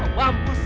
ambil pak ambil pak